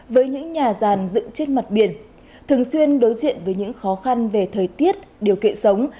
với những nhà giàn dựng trên mặt biển thường xuyên đối diện với những khó khăn về thời tiết điều kiện sống